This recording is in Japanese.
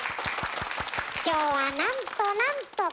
今日はなんとなんと拡大版！